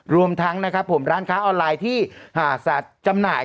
รวมทั้งนะครับผมร้านค้าออนไลน์ที่จำหน่าย